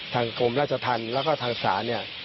ทางกรมราชทันแล้วก็ทางศาลเนี่ย